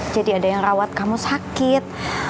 jadi ada yang rawat kamu sakit